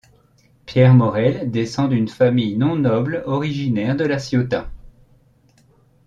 Pierre Maurel descend d'une famille non noble originaire de La Ciotat.